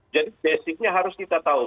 jadi basicnya harus kita tahu